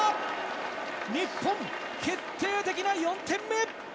日本、決定的な４点目！